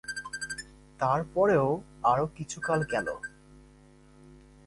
তার পরেও আরো কিছুকাল গেল।